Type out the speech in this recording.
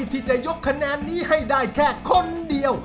ที่จะยกคะแนนนี้ให้ได้แค่คนเดียว